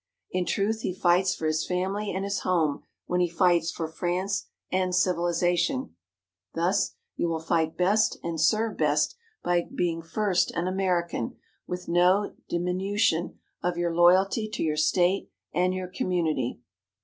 In truth he fights for his family and his home when he fights for France and civilization. Thus, you will fight best and serve best by being first an American, with no diminution of your loyalty to your State and your community.